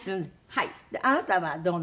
はい。